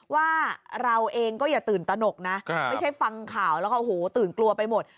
ว่าเราเองก็อย่าตื่นตนกนะไม่ใช่ฟังข่าวแล้วก็โอ้โหตื่นกลัวไปหมด